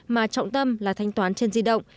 mà trọng tâm là thanh toán trên di động